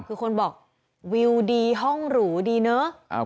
คือคนบอกวิวดีห้องหรูดีเนอะ